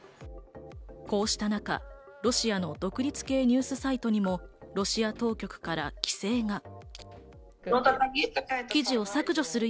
こうした中、ロシアの独立系ニュースサイトにもロシア当局から規制が。